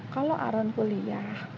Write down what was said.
kalau aaron kuliah